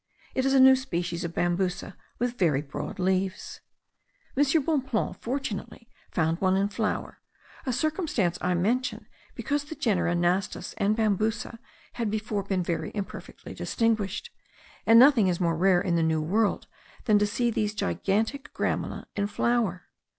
It is a new species of Bambusa with very broad leaves. M. Bonpland fortunately found one in flower; a circumstance I mention, because the genera Nastus and Bambusa had before been very imperfectly distinguished, and nothing is more rare in the New World, than to see these gigantic gramina in flower.